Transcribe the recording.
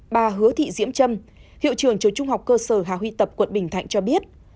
bà hứa thị diễm trâm hiệu trưởng trường trung học cơ sở hà huy tập quận bình thạnh cho biết